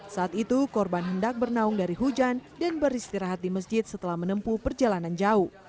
saat itu korban hendak bernaung dari hujan dan beristirahat di masjid setelah menempuh perjalanan jauh